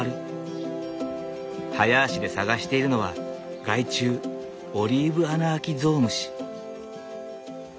早足で探しているのは害虫オリーブアナアキゾウムシ。